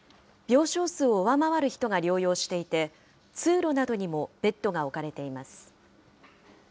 病床数を上回る人が療養していて、通路などにもベッドが置かれています。